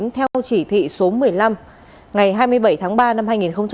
theo chỉ thị số một mươi năm ngày hai mươi bảy tháng ba năm hai nghìn hai mươi